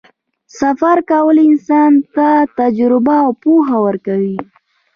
سفر کول انسان ته تجربه او پوهه ورکوي.